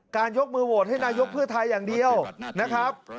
ยกมือโหวตให้นายกเพื่อไทยอย่างเดียวนะครับ